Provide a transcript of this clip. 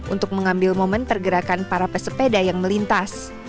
untuk mengambil momen pergerakan para pesepeda yang melintas